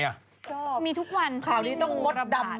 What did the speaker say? ชอบขาวนี้ต้องมดดำมีทุกวันพี่งูระบาดมาก